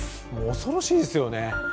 恐ろしいですよね。